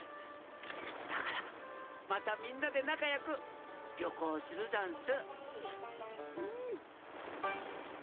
だからまたみんなでなかよくりょこうするざんす。